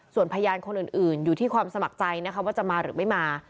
ส่วนพยานคนอื่นอยู่ที่ความสมัครใจนะคะว่าจะมาหรือไม่มา